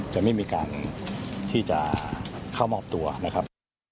จะไม่มีการที่จะเข้ามอบตัวนะครับ